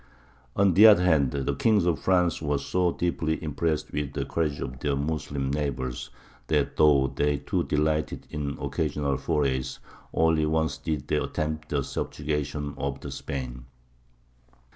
] On the other hand, the kings of France were so deeply impressed with the courage of their Moslem neighbours, that, though they too delighted in occasional forays, once only did they attempt the subjugation of Spain.